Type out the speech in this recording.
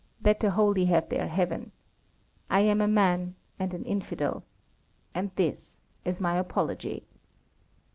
Let the Holy have their Heaven. I am a man, and an Infidel. And this is my Apology.